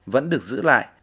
vẫn được giữ lại